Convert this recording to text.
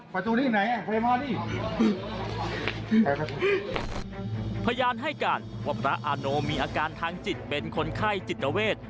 พยานให้การว่าพระอาโนมีอาการทางจิตเป็นคนไข้จิตเวท